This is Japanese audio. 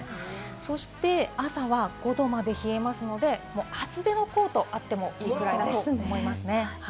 そして朝は５℃まで冷えますので、厚手のコートがあってもいいくらいです。